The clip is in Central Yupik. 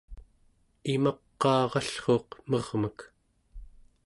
imaqaarallruuq mermek